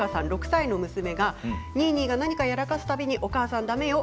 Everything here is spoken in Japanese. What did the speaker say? ６歳の子がニーニーは何かやらかすたびにお母さんだめよ